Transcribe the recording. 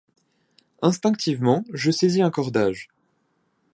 Instinctivement, je saisis un cordage…